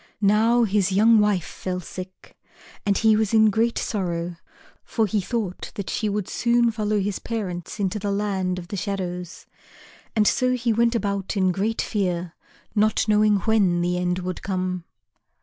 Now his young wife fell sick, and he was in great sorrow, for he thought that she would soon follow his parents into the Land of the Shadows. And so he went about in great fear, not knowing when the end would come.